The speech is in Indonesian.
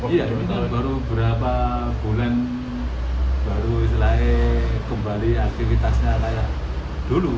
iya ini baru beberapa bulan baru selai kembali aktivitasnya kayak dulu